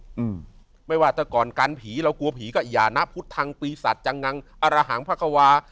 อืมไม่ว่าแต่ก่อนกันผีเรากลัวผีก็อย่านะพุทธทางปีศาจจังงังอรหังพระควา